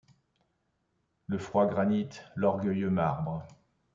Le froid granit, l'orgueilleux marbre